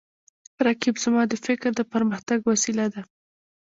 رقیب زما د فکر د پرمختګ وسیله ده